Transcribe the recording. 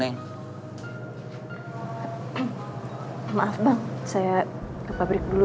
neng mirah apa kamu mau